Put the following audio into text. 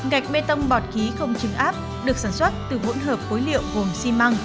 gạch bê tông bọt khí không chứng áp được sản xuất từ hỗn hợp phối liệu gồm xi măng